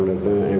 được an toàn